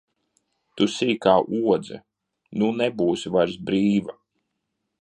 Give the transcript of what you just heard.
Tu sīkā odze, nu nebūsi vairs brīva!